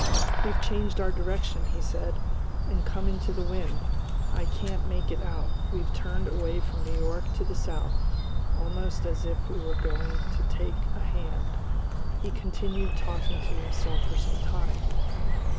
"We've changed our direction," he said, "and come into the wind. I can't make it out. We've turned away from New York to the south. Almost as if we were going to take a hand " He continued talking to himself for some time.